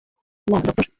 না, ডক্টর।